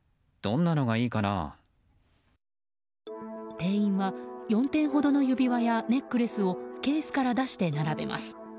店員は４点ほどの指輪やネックレスをケースから出して並べます。